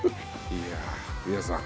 いやぁ皆さん